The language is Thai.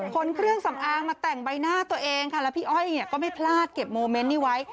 ขนเครื่องสำอางมาแต่งใบหน้าตัวเองค่ะแล้วพี่อ้อยเนี่ยก็ไม่พลาดเก็บโมเมนต์นี้ไว้